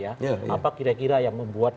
apa kira kira yang membuat